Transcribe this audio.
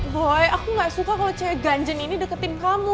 pokoknya aku gak suka kalau cewek gunjen ini deketin kamu